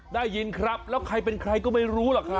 ได้ยินครับแล้วใครเป็นใครก็ไม่รู้หรอกครับ